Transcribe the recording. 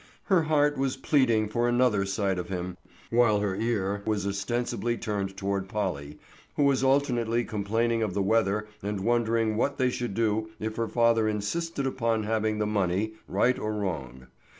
Her heart was pleading for another sight of him, while her ear was ostensibly turned toward Polly, who was alternately complaining of the weather and wondering what they should do if her father insisted upon having the money, right or wrong.